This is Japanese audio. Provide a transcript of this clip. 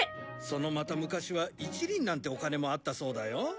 そのまた昔は１厘なんてお金もあったそうだよ。